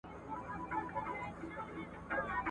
نه پېچومي کږلېچونه نه په مخ کي ورکي لاري !.